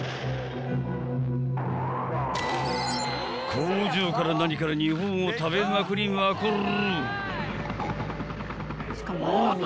［工場から何から日本を食べまくりまくる］